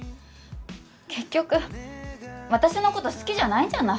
結局私のこと好きじゃないんじゃない？